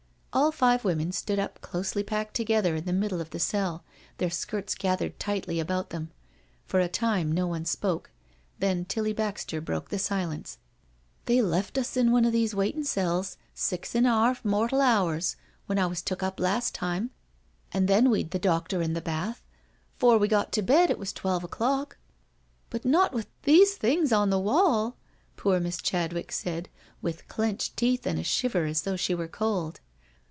All five women stood up closely packed together in the middle of the cell, their skirts gathered tightly about them. For a time no one spoke, then Tilly Baxter broke the silence. " They left us in one o' these waitin' cells six an 'arf mortal hours, when. I was took up last time, and then we'd the doctor and the bath. 'Fore we got to bed it was twelve o'clock." " But not with these things on the wall?" poor Miss Chadwick asked, with clenched teeth and a shiver as though she were cold.